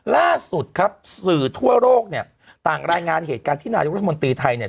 ล่าสุดครับสื่อทั่วโลกเนี่ยต่างรายงานเหตุการณ์ที่นายกรัฐมนตรีไทยเนี่ย